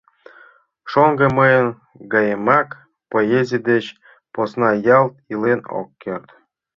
Шоҥго, мыйын гаемак, поэзий деч посна ялт илен ок керт!